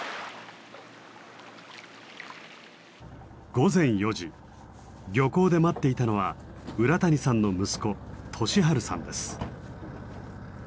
午前４時漁港で待っていたのは浦谷さんの息子俊晴さんです。